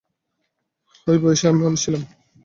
ঐ বয়সে আমি মানুষ ছিলাম।